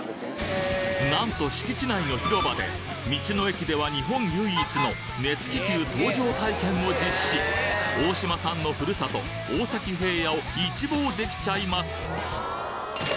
なんと敷地内の広場で道の駅では日本唯一の熱気球搭乗体験を実施大島さんのふるさと大崎平野を一望できちゃいます！